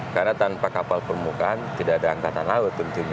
karena tanpa kapal permukaan tidak ada angkatan langu tentunya